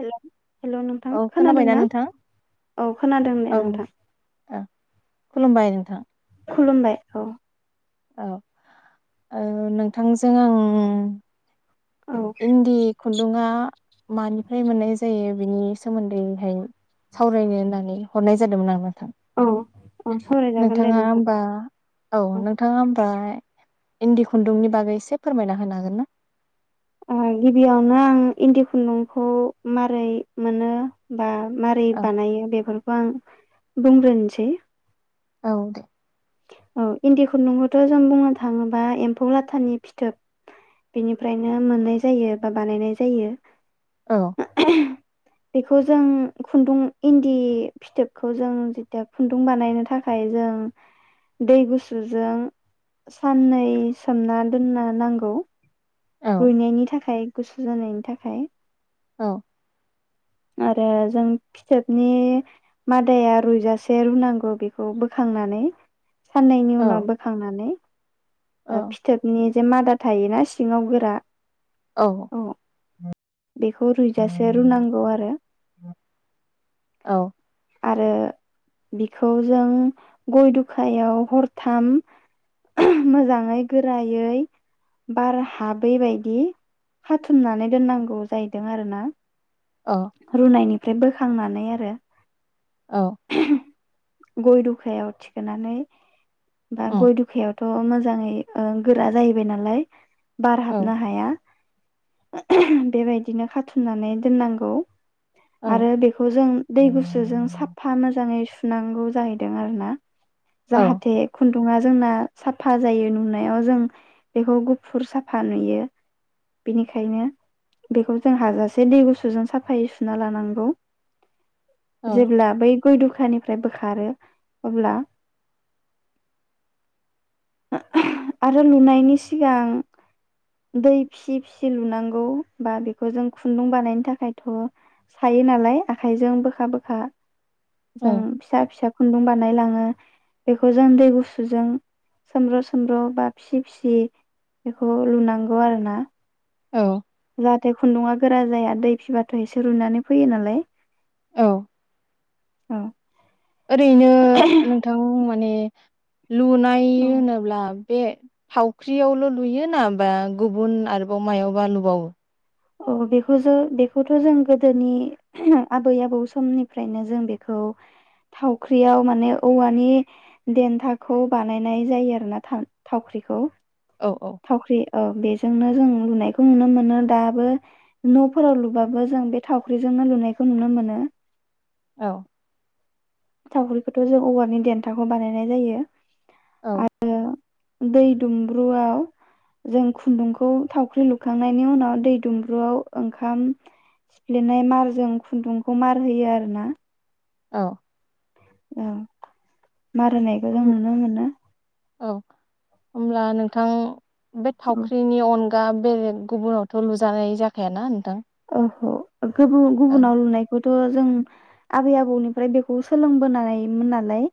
हेल हेल नोंथां औ खोनादों खोनाबायना ना नोंथां औ खोनादों ने नोंथां ओ औ खुलुमबाय नोंथां खुलुमबाय औ औ ओ नोंथांजों आं औ इन्दि खुन्दुंआ मानिफ्राय मोननाय जायो बिनि सोमोन्दैहाय सावरायनो होननानै हरनाय जादोंमोन आं औ औ सावरायजागोन दे नोंथाङा नोंथां होमबा औ नोंथाङा होमबा इन्दि खुन्दुंनि बागै एसे फोरमायना होनो हागोन ना? ओ गिबियावनो आं इन्दि खुन्दुंखौ मारै मोनो बा मारै औ बानायो बेफोरखौ आं बुंग्रोनोसै औ दे औ इन्दि खुन्दुंखौथ' जों बुंनो थाङोब्ला एम्फौ लाथानि फिथोब बेनिफ्रायनो मोननाय जायो बा बानायनाय जायो औ बेखौ जों खुन्दुं इन्दि फिथोबखौ जों जेथिया खुन्दुं बानायनो थाखाय जों दै गुसुजों साननै सोमना दोननो नांगौ औ रुइनायनि थाखाय गुसु जानायनि थाखाय औ आरो जों फिथोबनि मादाया रुजासे रुनांगौ बेखौ बोखांनानै साननैनि औ उनाव बोखांनानै औ ओ फिथोबनि जे मादा थायोना सिङाव गोरा औ बेखौ रुइजासे रुनांगौ आरो औ आरो बिखौ जों गय दुखायाव हरथाम मोजाङै गोरायै बार हाबै बायदि हाथुमनानै दोननांगौ अ जाहैदों आरोना औ रुनायनि बोखांनानै आरो औ गय दुखायाव थिखोनानै बा उम गय दखायाव अ मोजाङै ओ गोरा जाहैबाय नालाय बार औ हाबनो हाया बेबायदिनो खाथुननानै दोननांगौ औ आरो बेखौ जों दै गुसुजों साफा मोजाङै सुनांगौ जाहैदों आरो ना औ जाहाथे उम दुङा जोंना साफा जायो नुनायाव जों बेखौ गुफुर साफा नुयो बेनिखायनो बेखौ जों हाजासे दै गुसुजों साफा फाय सुना लानांगौ जेब्ला बै गु दुखानिफ्राय बोखारो अब्ला आरो लुनायनि सिगां दै फिसि फिसि लुनांगौ बा बेखौ जों खुन्दुं बानायनो थाखायथ सायो नालाय आखाइजों बोखा बोखा औ जों फिसा फिसा खुन्दुं बानाय लाङो बेखौ जों दै गुसुजों सोमब्र सोमब्र बा फिसि फिसि बेखौ लुनां नंगौ आरो ना औ जाहाथे खुन्दुङा गोरा जाया दै फिबाथाय सो रुनानै फैयो नालाय औ औ ओरैनो नोंथां ने लुनाय होनोब्ला बे फावख्रियावल लुयो ना बा गुबुन आरोबाव मायावबा लुबावो अ बेखौ जों बेखौथ जों गोदोनि आबै आबौ समनिफ्रायनो जों बेखौ थावख्रियाव माने औवानि देन्थाखौ बानायनाय जायो ब्लाथा थावख्रिखौ औ औ थावख्रि औ बे जोंनो जों लुनायखौ नुनो मोनो दा नफोराव लुबाबो जों बे थावख्रिजोंनो लुनायखौ नुनो मोनो औ थावख्रिखौथ' जों औवानि देन्थाखौ बानायनाय जायो औ दै दुमब्रुआव जों खुन्दुंखौ थावख्रि लुखांनायनि उनाव दै दुमब्रुआव ओंखाम सिफ्लेनाय मारजों खुन्दुंखौ मार होयो आरोना औ औ मार होनायखौ जों नुनो मोनो औ होमब्ला नोंथां बे औ थावख्रिनि अन दा बेलेग गुबुनावथ लुजानाय जाखायाना नोंथां अह गुबुन गुबुनाव लुनायखौ थ' जों आबै आबौनिफ्राय बेखौ सोलोंबोनाय मोन नालाय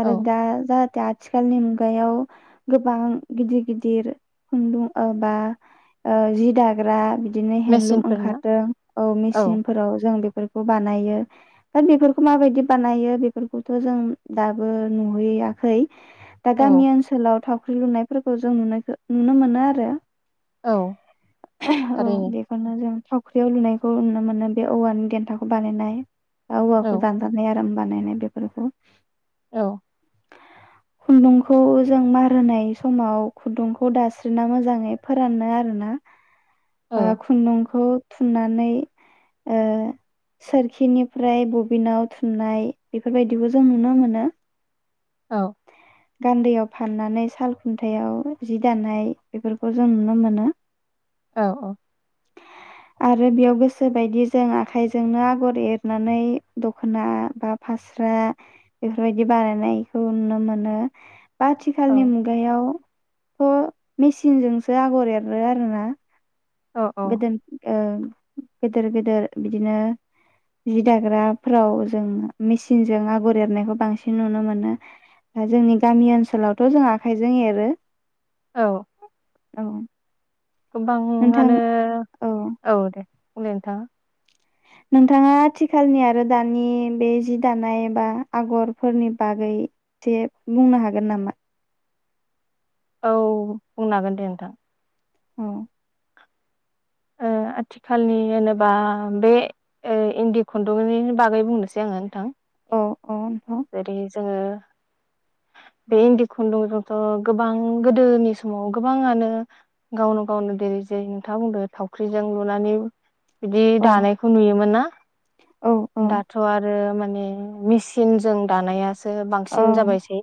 आरो औ दा जा दा आथिखालनि मुगायाव गोबां गिदिर गिदिर खुन्दुं ओ बा ओ जि दाग्रा बि दिनि हेन्दलुम मेचिनफोर ना ओंखारदों औ मेसिनफोराव जों बे बेफोरखौ बानायो दा बेफोरखौ माबायदि बानायो बेफोरखौथ जों दाबो नुहैयाखै दा औ गामि ओनसोलाव थ' फख्रि लुनायफोरखौ जों नुनायखौ नुनो मोनो आरो औ औ थारैनो बेखौनो जों थावख्रियाव लुनायखौ नुनो मोनो बे औवानि देन्थाखौ बानायनाय। औ औ औवाखौ दान्दाबनाय आराम बानायनाय बेफोरखौ औ। खुन्दुंखौ जों मार होनाय समाव खुन्दुंखौ दास्रिना मोजाङै फोरानो आरोना। औ अ खुन्दुं खौ थुननानै ओ सोरखिनिफ्राय बबिनाव थुननाय बेफोरबायदिखौ जों नुनो मोनो। औ। गान्दैयाव फाननानै साल खुन्थायाइाव जि दानाय बेफोरखौ जों नुनो मोनो औ औ। आरो बेयाव गोसो बायदि जों आखाइजोंनो आगर एरनानै दखना बा फास्रा बेफोरबायदि बानायनायखौ नुनो मोनो। दा आथिखालनि मुगायाव थ' मेसिनजोंसो आगर एरो आरोना। औ औ गोदोन ओ गेदेर गेदेर बिदिनो जि दाग्राफोराव जों मेसिनजों आगर एरनायखौ बांसिन नुनो मोनो। जोंनि गामि ओनसोलावथ' जों आखाइजों एरो औ। औ। नोंथां गोबाङानो औ दे अ नोंथां। नोंथाङा आथिखालनि आरो दानि बे जि दानाय बा आगरफोरनि बागै जे बुंनो हागोन नामा? औ बुंनो हागोन दे नोंथां। हम। ओ आथिखालनि होनोबा बे ओ इन्दि खुन्दुंनि बागै बुंनोसै आङो नोंथां। औ। औ नोंथां [unintelligible] जोङो बे इन्दि खुन्दुंजोंथ' गोबां गोदोनि समाव गोबाङानो गावनो गावनो देरै जे नोंथाङा बुंदों थावख्रिजों लुनानै बिदि औ दानायखौ नुयोमोन ना। औ औ दाथ' आरो मा ने मेसिन जों दानाया सो बांसिन जाबायसै।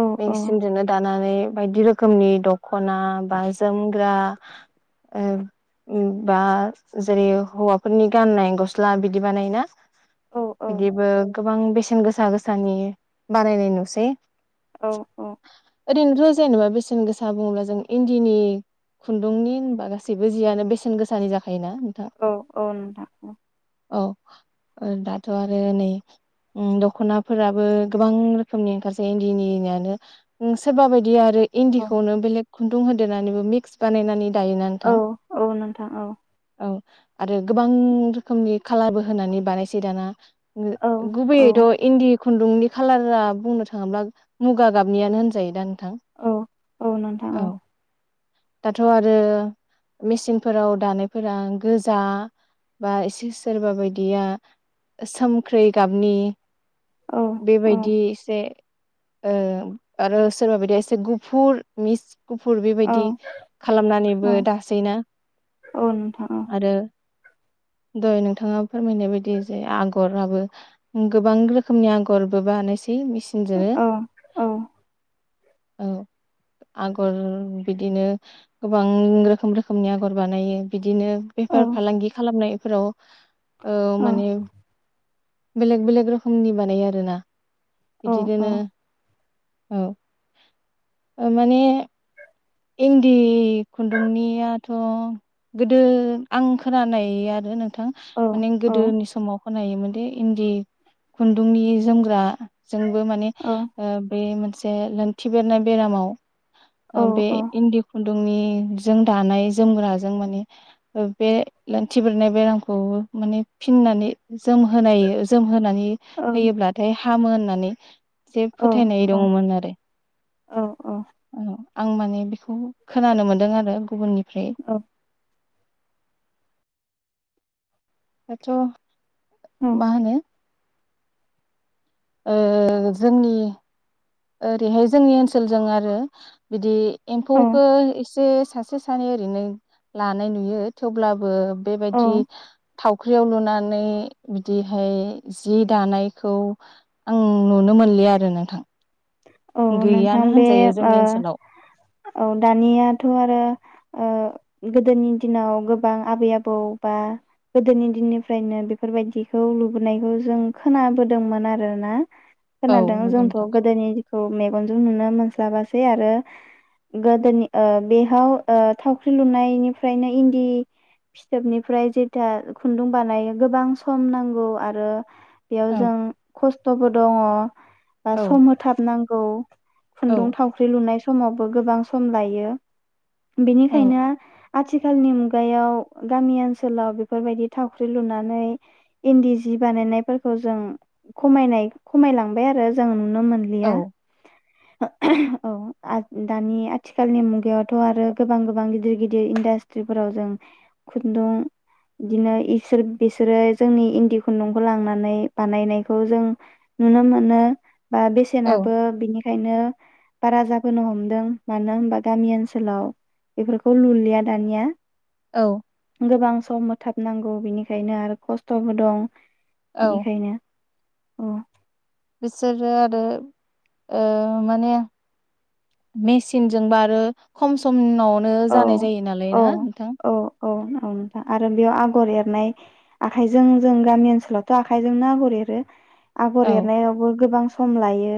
औ मेसिमजोंनो दानानै बायदि रोखोमनि द खना बा जोमग्रा उम उम बा जेरै हौवाफोरनि गाननाय गस्ला बिदि बानायोना? औ बिदिबो गोबां बेसेन गो सा गोसानि बानायनाय नुसै। औ औ। ओरैनोथ जेनेबा बेसेन गोसा बुङोब्ला जों इन्दिनि खुन्दुंनि होनबा गासैबो जियानो बेसेन गोसानि जा औ औ नोंथां औ औ ओ दाथ' आरो नै उम दख खनाफोराबो गोबां रोखोमनि ओंखार सोयो इन्दिनियानो सोरबा बाय दि आरो औ इन्दिखौनो बेलेग खुन्दुं होदेरनानैबो मिक्स बानायनानै दायोना नोंथां औ औ नोंथां औ औ आरो गोबां रोखोमनि खालारबो होनानै बानायसै दाना । औ ओ गुबैयै औ थ' इन्दि खुन्दुंनि खालारा बुंनो थाङोब्ला मुगा गाबनियानो होनजायो दा नोंथां औ औ नोंथां औ दाथ' आरो मेसिनफोराव दानायफोरा गोजा बा एसे सोरबा बायदिया सोमख्रै गाबनि औ औ बेबायदि एसे ओ आरो सोरबा बियदि एसे गुफुर मिस गुफुर औ बेबायदि खालामनानैबो औ दासै ना औ नोंथां आरो? द'य नोंथाङा फोरमायनाय बायदि जे आगराबो गोबां रोखोमनि आगरबो बानाय बे मेसिनजोनो औ औ औ आगर बिदिनो गोबां रोखोम रोखोमनि आगर बानायो बिदि इदिनो औ बेफार फालांगि खालामनाय । फोराव ओ औ माने बेलेग बेलेग रोखोमनि बानायो आरो ना? बिदि दोनो औ औ ओ माने इन्दि खुन्दुंनियाथ'गोदो आं खोनानाय आरो नों नोंथां औ माने औ गोदोनि समाव खनायोमोनदि इन्दि खुन्दुंनि जोमग्रा जोंबो माने औ ओ बे मोनसे जे लोंथि बेरनाय बेरामाव बे इन्दि खुन गदुंनि जों दानाय जोमग्राजों माने ओ बे लोन्थि बेरनाय बेरामखौ माने फिननानै जोमहोनाय यजोमहोनानै होयोब्लाथाय हामो होननानै जे फोथायनाय दङमोन आरो । आं माने बेखौ खोनानो मोन्दों आरो गुबुननिफ्राय दाथ माहोनो ओ जोंनि ओरैहाय जोंनि ओनसोलजों आरो बिदि एम्फौ खो एस जे सासे सानै ओरैनो लानाय नुयो थेवब्लाबो औ बेबायदि थावख्रियाव लुनानै बिदिहाय जि दानायखौ आं नुनो मोनलिआ आरो नोंथां औ नोंथां गैयानो बे होनजायो आ जोंनि ओनसोलाव ओ दानियाथ आरो ओ गोदोनि दिनाव गोबां आबै आबौ बा गोदोनि दिननिफ्रायनो बेफोरबायदिखौ लुबोनायखौ जों खोनाबोदोंमोन आरोना औ खोनादों नंगौ जोंथ नोंथां गोदोनि मेगनजों नुनो मोनस्लाबासै आरो गोदोनि ओ बेहाव ओ थावख्रि लुनायनिफ्रायनो इन्दि फिथोबनिफ्राय जेथा खुन्दुं बानायो गोबां सम नांगौ आरो बेयाव औ जों खस्थ खस्थबो दंङ बा औ सम होथाब नांगौ औ खुन्दुं थावख्रि लुनाय समावबो गोबां सम लायो औ बेनिखायनो आथिखालनि मुगायाव गामि ओनसोलाव बेफोरबायदि थावख्रि लुनानै इन्दि जि बानायनायफोरखौ जों खमायनाय खमायलांबाय आरो जों नुनो मोन लिया औ [unintelligible] औ दानि आथिखालनि मुगायावथ आरो गोबां गोबां गिदिर गिदिर इन्डास्ट्रिफोराव जों खुन्दुं बिदिनो इसोर बिसोरो जोंनि इन्दि खुन्दुंखौ लांनानै बानायनायखौ जों नुनो मोनो बा औ बेसेनाबो बिनि खायनो बारा जाबोनो हमदों मानो होनबा गामि ओनसोलाव बेफोरखौ नुलिया दानिया औ गोबां सम मोथाबनांगौ बिनिखायनो आरो खस्थबो दं औ बेनिखायनो उम बिसोरो आरो ओ माने मेसिन जोंबा आरो खम समनव ओ औ जानाय जायो नालाय औ ना नोंथां। औ औ औ नोंथां आरो बेयाव आगर एरनाय आखायजों जों गामि ओनसोलावथ आखाइजोंनो आगर एरो। आगर औ एरनायावबो गोबां सम लायो।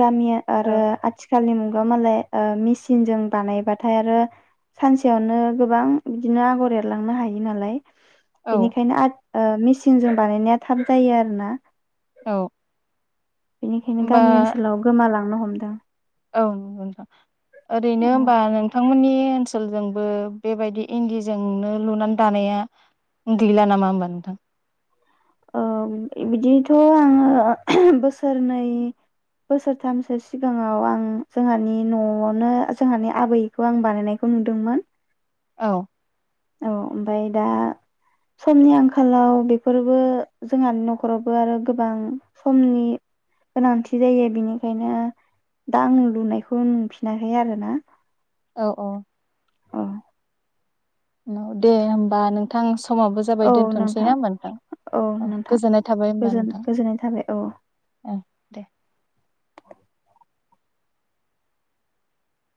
गामि आरो औ आथि खालि मुगा मालाय मिेसिनजों बानायबाथाय आरो सानसेयावनो गोबां बिदिनो आगर एरलांनो हायो नालाय। बेनिखायनो आद ओ मिसिनजों बानायनाया थाब जायो आरो ना। औ बेनिखायनो होमबा गामि ओनसोलाव गोमालां नो हमदों। मानो होबा औ नोंथांमोननि बओनसोलजोंबो बेबायदि इन्दिजोंनो लुनानै दानाया गैला नामा होमबा नोंथां? ओ बिदिथ' आङो बोसोरनै बोसोरथामसो सिगाङाव आं जोंहानि न'आवनो जोंहानि आबैखौ आं बानायनायखौ नुदोंमोन औ औ ओमफ्राय दा समनि आंखालाव बेफोरबो जोंहानि न'खरावबो आरो गोबां समनि गोनांथि जायो बेनिखायनो दा आं लुनायखौ नुफिनाखै आरोना औ औ अ दे होमबा नोंथां स समाबबो जाबाय दोन्थ'नोसै ना ओमबा नोंथां औ गोजोननाय थाबाय होनोमबा गोजोन नोंथां गोजोननाय थाबाय औ ओ । दे [inaudible]